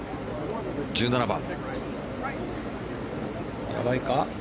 １７番。